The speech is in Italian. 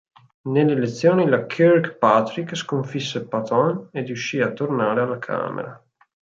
Nelle elezioni la Kirkpatrick sconfisse Paton e riuscì a tornare alla Camera.